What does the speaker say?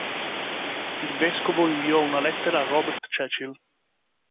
Il vescovo inviò una lettera a Robert Cecil.